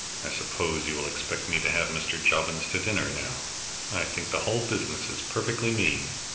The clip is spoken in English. "I suppose you will expect me to have Mr. Jobbins to dinner, now. I think the whole business is perfectly mean!"